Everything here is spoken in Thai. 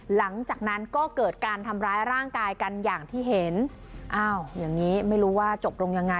หลังจากนั้นก็เกิดการทำร้ายร่างกายกันอย่างที่เห็นอ้าวอย่างนี้ไม่รู้ว่าจบลงยังไง